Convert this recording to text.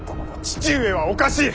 父上はおかしい！